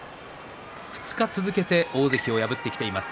２日続けて大関を破ってきています。